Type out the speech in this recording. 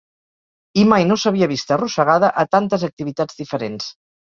I mai no s'havia vist arrossegada a tantes activitats diferents.